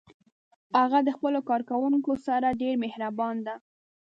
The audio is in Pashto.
هغه د خپلو کارکوونکو سره ډیر مهربان ده